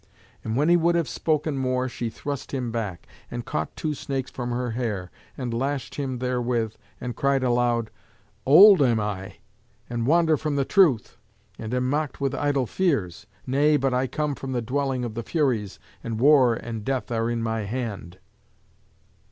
And when he would have spoken more, she thrust him back, and caught two snakes from her hair, and lashed him therewith, and cried aloud, "Old am I! and wander from the truth! and am mocked with idle fears! Nay, but I come from the dwelling of the Furies, and war and death are in my hand!"